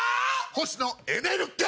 星野エネル源！